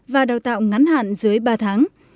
và đào tạo ngắn hạn dưới ba tháng